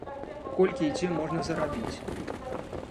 Колькі і дзе можна зарабіць?